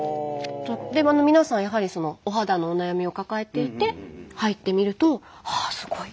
皆さんやはりお肌のお悩みを抱えていて入ってみるとああすごい！